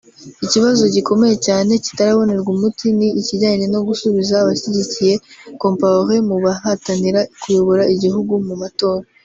Ikibazo gikomeye cyane kitarabonerwa umuti ni ikijyanye no gusubiza abashyigikiye Compaoré mu bahatanira kuyobora igihugu mu matora